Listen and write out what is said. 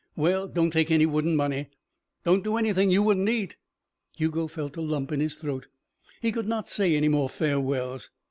"Well don't take any wooden money." "Don't do anything you wouldn't eat." Hugo felt a lump in his throat. He could not say any more farewells.